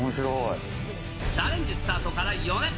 チャレンジスタートから４年。